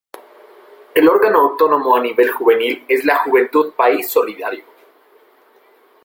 El órgano autónomo a nivel juvenil es la Juventud País Solidario.